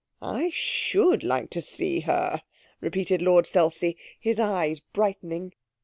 'I should like to see her,' repeated Lord Selsey, his eyes brightening.